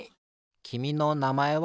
きみのなまえは？